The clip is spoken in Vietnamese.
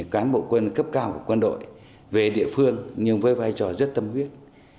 đồng chí phong là một đồng chí khắp cao của quân đội về địa phương nhưng với vai trò rất tâm huyết